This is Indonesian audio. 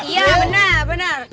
iya benar benar